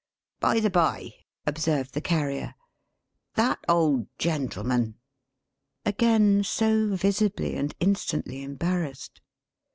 "By the bye " observed the Carrier. "That old gentleman," Again so visibly, and instantly embarrassed.